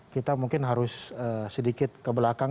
kita mungkin harus sedikit ke belakang